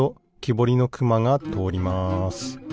ぼりのくまがとおります。